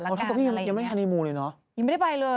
อานยาร์เพราะพี่ยังไม่ได้รอบแรกยันประจะงตามไปอยู่เนอะ